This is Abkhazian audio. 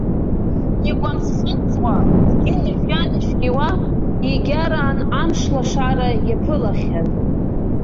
Игәамҵ-хамҵуа, дгьыли жәҩани шәиуа, егьараан амш лашара иаԥылахьан.